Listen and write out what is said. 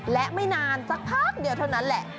และไม่นานสักพักเดียวเท่านั้นแหละ